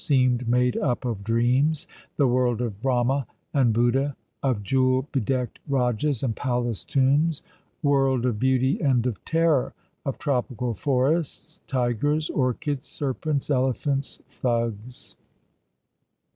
ed made up of dreams — the world of Brahma and Buddha, of jewel bedecked Eajahs and Palace tombs — world of beauty and of terror ; of tropical forests, tigers, orchids, serpents, elephants. Thugs.